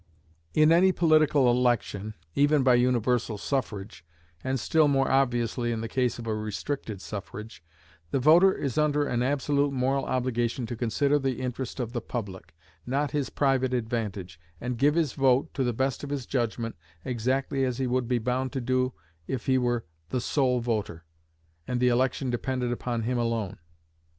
In any political election, even by universal suffrage (and still more obviously in the case of a restricted suffrage), the voter is under an absolute moral obligation to consider the interest of the public, not his private advantage, and give his vote, to the best of his judgment, exactly as he would be bound to do if he were the sole voter, and the election depended upon him alone.